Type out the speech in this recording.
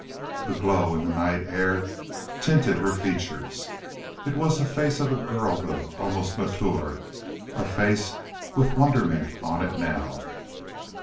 The glow in the night air tinted her features. It was a face of girlhood, almost mature a face with wonderment on it now.